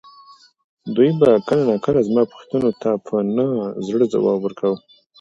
دوی به کله ناکله زما پوښتنو ته په نه زړه ځواب ورکاوه.